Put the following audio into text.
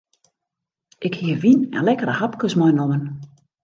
Ik hie wyn en lekkere hapkes meinommen.